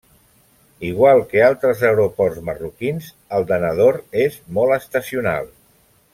Igual que altres aeroports marroquins el de Nador és molt estacional.